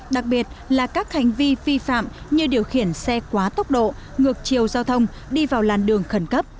đặc biệt là các hành vi vi phạm như điều khiển xe quá tốc độ ngược chiều giao thông đi vào làn đường khẩn cấp